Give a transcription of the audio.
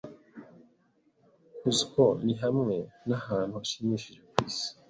Cuzco ni hamwe mu hantu hashimishije kwisi.